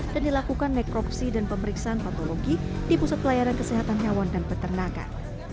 dan dilakukan nekroksi dan pemeriksaan patologi di pusat pelayanan kesehatan hewan dan peternakan